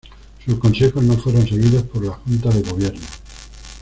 Sus consejos no fueron seguidos por la Junta de Gobierno.